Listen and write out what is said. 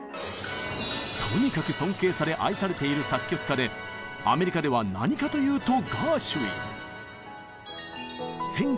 とにかく尊敬され愛されている作曲家でアメリカでは何かというとガーシュウィン！